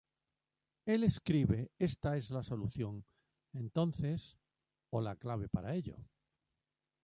El escribe: Esta es la solución, entonces, o la clave para ello.